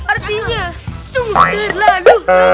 artinya sumu terlalu